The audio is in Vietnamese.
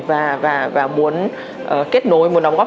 và muốn kết nối muốn đóng góp